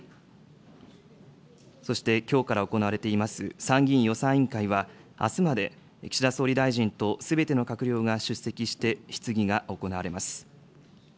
そしてきょうから行われています、参議院予算委員会は、あすまで岸田総理大臣とすべての閣僚が出席して質疑が行われます。